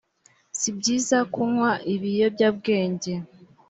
si byiza kunywa ibiyobyabwenge